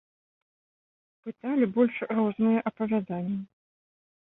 Пыталі больш розныя апавяданні.